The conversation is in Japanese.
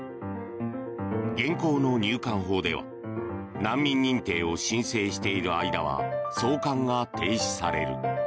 現行の入管法では難民認定を申請している間は送還が停止される。